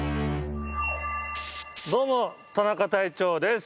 どうも田中隊長です。